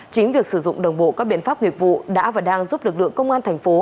chính việc sử dụng đồng bộ các biện pháp nghiệp vụ đã và đang giúp lực lượng công an thành phố